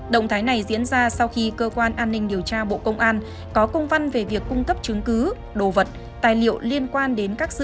động thái này diễn ra sau khi cơ quan an ninh điều tra bộ công an có công văn về việc cung cấp chứng cứ đồ vật tài liệu liên quan đến các dữ liệu